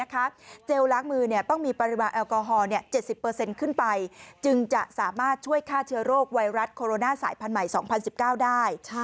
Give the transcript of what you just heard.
๗๐ขึ้นไปจึงจะสามารถช่วยฆ่าเชื้อโรคไวรัสโคโรนาสายพันธุ์ใหม่๒๐๑๙ได้